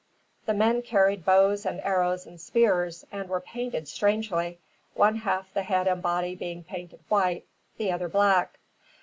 The men carried bows and arrows and spears, and were painted strangely one half the head and body being painted white, the other black.